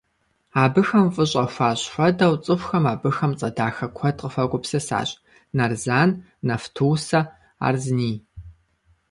Абыхэм фӀыщӀэ хуащӀ хуэдэу цӀыхухэм абыхэм цӀэ дахэ куэд къыхуагупсысащ: «Нарзан», «Нафтусэ», «Арзни».